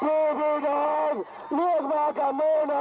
ที่พี่เดิมเรียกมากับมือหน่อย